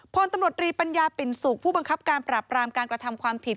พลตำรวจรีปัญญาปิ่นสุขผู้บังคับการปราบรามการกระทำความผิด